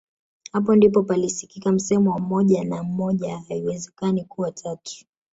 Hapo ndipo palisikika msemo wa moja na moja haiwezekani kuwa tatu